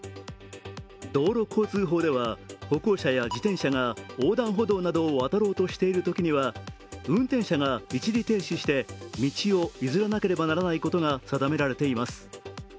道路交通法では歩行者や自転車が横断歩道などを渡ろうとしているときには運転者が一時停止して道を譲らなければならないことが定められています。